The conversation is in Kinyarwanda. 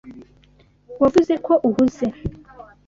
Wavuze ko uhuze.